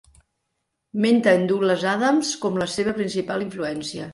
Menta a en Douglas Adams com la seva principal influència.